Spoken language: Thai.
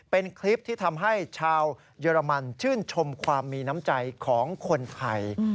เป็นคลิปที่ทำให้ชาวเยอรมันชื่นชมความมีน้ำใจของคนไทย